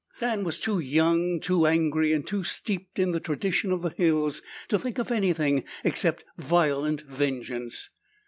Dan was too young, too angry, and too steeped in the traditions of the hills, to think of anything except violent vengeance.